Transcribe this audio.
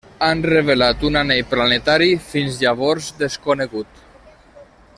Han revelat un anell planetari fins llavors desconegut.